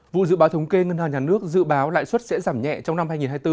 vụ dự báo thống kê ngân hàng nhà nước dự báo lãi suất sẽ giảm nhẹ trong năm hai nghìn hai mươi bốn